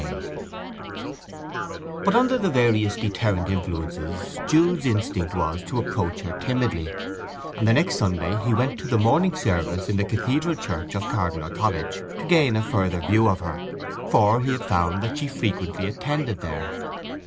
III But under the various deterrent influences Jude's instinct was to approach her timidly, and the next Sunday he went to the morning service in the Cathedral church of Cardinal College to gain a further view of her, for he had found that she frequently attended there.